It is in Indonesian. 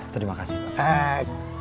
terima kasih pak